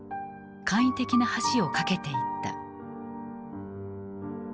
簡易的な橋を架けていった。